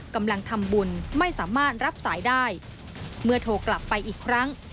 กำลังทำบุญไม่สามารถรับสายได้เมื่อโทรกลับไปอีกครั้ง